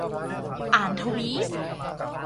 อ่านทวีต